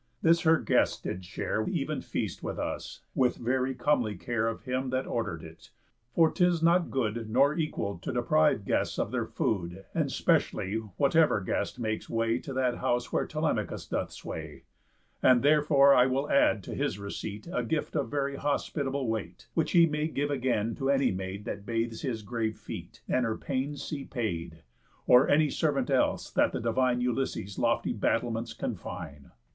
This her guest did share Even feast with us, with very comely care Of him that order'd it; for 'tis not good Nor equal to deprive guests of their food, And specially whatever guest makes way To that house where Telemachus doth sway; And therefore I will add to his receit A gift of very hospitable weight, Which he may give again to any maid That bathes his grave feet, and her pains see paid, Or any servant else that the divine Ulysses' lofty battlements confine."